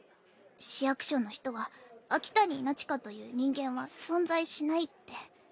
市役所の人は秋谷稲近という人間は存在しないって。